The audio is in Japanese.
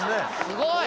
すごい！